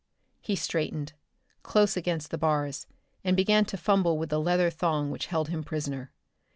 He straightened, close against the bars, and began again to fumble with the leather thong which held him prisoner.